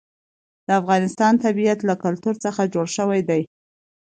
د افغانستان طبیعت له کلتور څخه جوړ شوی دی.